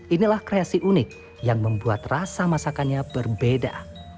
inilah kreasi unik yang membuat rasa masakannya berbeda